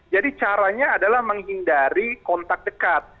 jadi caranya adalah menghindari kontak dekat